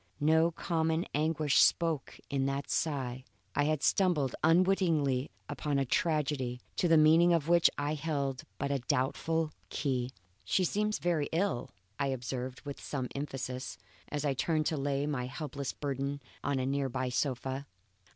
No common anguish spoke in that sigh. I had stumbled unwittingly upon a tragedy, to the meaning of which I held but a doubtful key. "She seems very ill," I observed with some emphasis, as I turned to lay my helpless burden on a near by sofa.